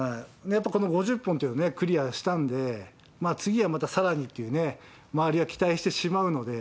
やっぱこの５０本というのをクリアしたんで、次はまたさらにっていうね、周りは期待してしまうので。